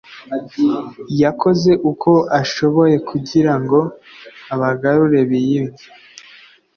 yakoze uko ashoboye kugira ngo abagarure biyunge